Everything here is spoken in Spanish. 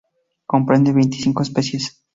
Comprende veinticinco especies.